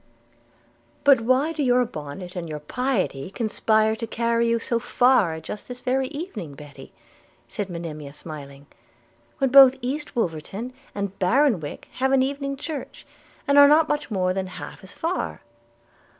'But why do your bonnet and your piety conspire to carry you so far just this very evening, Betty,' said Monimia smiling, 'when both East Wolverton and Bartonwick have an evening church, and are not much more than half as far?'